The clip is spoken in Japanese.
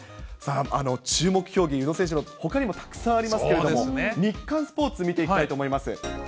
さあ、注目競技、宇野選手のほかにもたくさんいますけれども、日刊スポーツ見ていきたいと思います。